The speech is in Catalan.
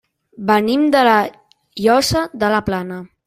Venim de La Llosa de la Plana.